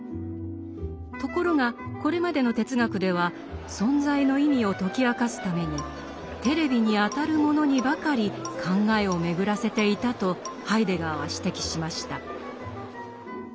ところがこれまでの哲学では「存在」の意味を解き明かすために「テレビ」にあたるものにばかり考えを巡らせていたとハイデガーは指摘しました。